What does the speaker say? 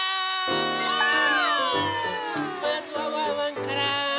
まずはワンワンから。